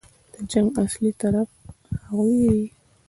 د جنګ اصلي طرف هغوی دي.